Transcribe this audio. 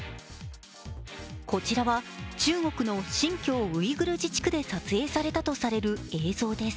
こちらは中国の新疆ウイグル自治区で撮影されたとされる映像です。